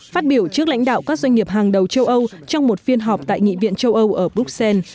phát biểu trước lãnh đạo các doanh nghiệp hàng đầu châu âu trong một phiên họp tại nghị viện châu âu ở bruxelles